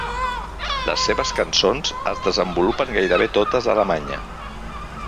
Les seves cançons es desenvolupen gairebé totes a Alemanya.